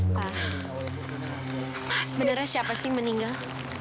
pak sebenarnya siapa sih meninggal